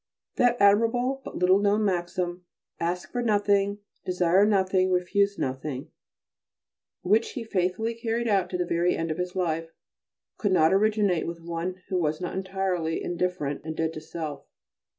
That admirable but little known maxim, Ask for nothing, desire nothing, refuse nothing, which he faithfully carried out to the very end of his life, could not originate with one who was not entirely indifferent and dead to self.